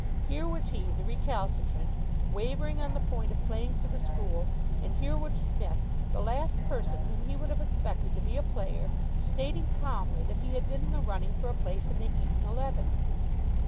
Here was he, the recalcitrant, wavering on the point of playing for the school, and here was Psmith, the last person whom he would have expected to be a player, stating calmly that he had been in the running for a place in the Eton eleven.